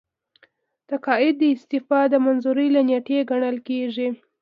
تقاعد د استعفا د منظورۍ له نیټې ګڼل کیږي.